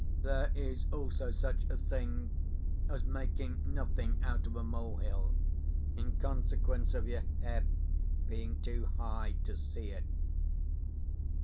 "There is also such a thing as making nothing out of a molehill, in consequence of your head being too high to see it."